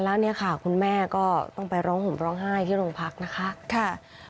แล้วเนี่ยค่ะคุณแม่ก็ต้องไปร้องห่มร้องไห้ที่โรงพักนะคะ